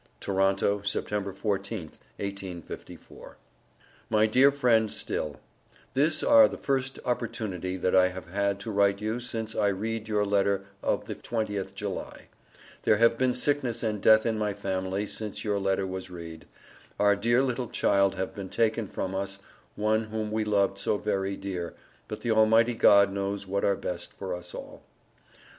TORONTO Sept 14th 1854 MY DEAR FRIEND STILL: this are the first oppertunity that I have had to write you since I Reed your letter of the 20th July, there have been sickness and Death in my family since your letter was Reed, our dear little Child have been taken from us one whom we loved so very Dear, but the almighty God knows what are best for us all.